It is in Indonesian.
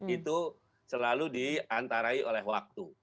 itu selalu diantarai oleh waktu